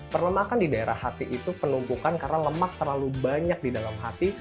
perlemakan di daerah hati itu penumpukan karena lemak terlalu banyak di dalam hati